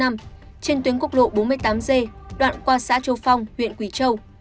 trên tuyến quốc lộ bốn mươi tám g đoạn qua xã châu phong huyện quỳ châu